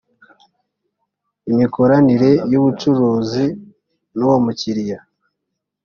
imikoranire y’ubucuruzi n’uwo mukiriya